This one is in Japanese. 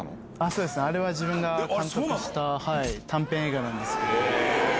そうですね、あれは自分が監督した、短編映画なんですけど。